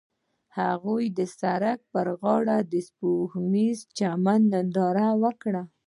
هغوی د سړک پر غاړه د سپوږمیز چمن ننداره وکړه.